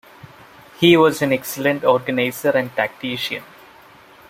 He was an excellent organizer and tactician.